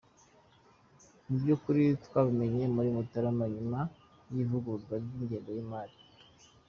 Mu by’ukuri twabimenye muri Mutarama nyuma y’ivugururwa ry’ingengo y’imari.